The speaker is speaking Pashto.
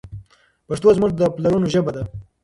پښتو زموږ د پلرونو ژبه ده.